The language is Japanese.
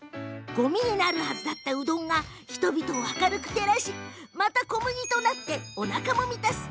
ごみになるはずだったうどんが人々を明るく照らしまた小麦となっておなかも満たす。